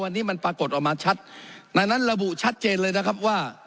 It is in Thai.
วันนี้มันปรากฏออกมาชัดดังนั้นระบุชัดเจนเลยนะครับว่า